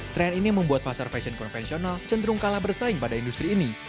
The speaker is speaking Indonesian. trend ini membuat pasar fashion konvensional cenderung kalah bersaing pada industri ini